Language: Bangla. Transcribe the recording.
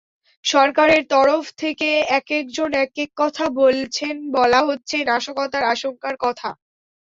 সরকারের তরফ থেকে একেকজন একেক কথা বলছেন, বলা হচ্ছে নাশকতার আশঙ্কার কথা।